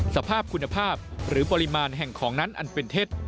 สภาพคุณภาพหรือปริมาณแห่งของนั้นอันเป็นเท็จ